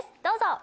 どうぞ！